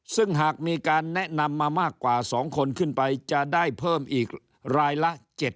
ซึ่งหากมีการแนะนำมามากกว่า๒คนขึ้นไปจะได้เพิ่มอีกรายละ๗๐